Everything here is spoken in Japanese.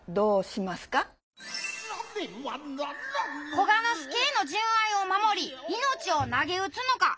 久我之助への純愛を守り命をなげうつのか！